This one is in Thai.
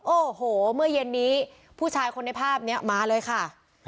โอ้โหเมื่อเย็นนี้ผู้ชายคนในภาพนี้มาเลยค่ะ